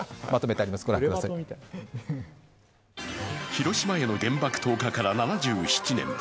広島への原爆投下から７７年。